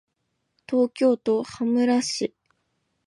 東京都羽村市